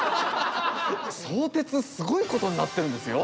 相鉄スゴイことになってるんですよ。